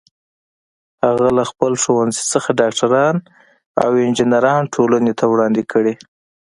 هغه له خپل ښوونځي څخه ډاکټران او انجینران ټولنې ته وړاندې کړي